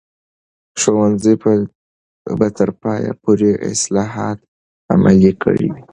ښوونځي به تر پایه پورې اصلاحات عملي کړي وي.